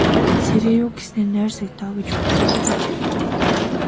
Сэрээе юү гэснээ нойрсог доо гэж бодоод эргэж хэвтэв.